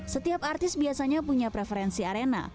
setiap artis biasanya punya preferensi arena